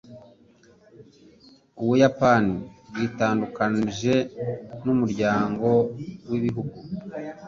Ubuyapani bwitandukanije n'umuryango w'ibihugu .